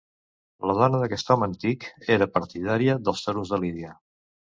La dona d'aquest home antic era partidària dels toros de lídia.